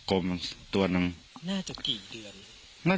ก็เราจะอยู่ที่บ้านที่นี่